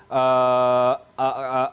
kekhawatiran apa yang menyebabkan